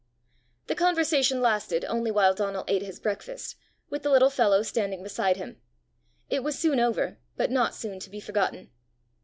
The conversation lasted only while Donal ate his breakfast, with the little fellow standing beside him; it was soon over, but not soon to be forgotten.